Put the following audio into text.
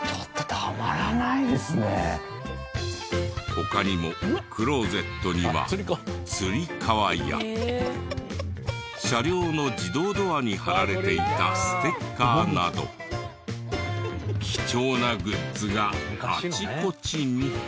他にもクローゼットにはつり革や車両の自動ドアに貼られていたステッカーなど貴重なグッズがあちこちに。